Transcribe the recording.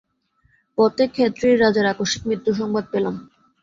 পথে খেতড়ির রাজার আকস্মিক মৃত্যুসংবাদ পেলাম।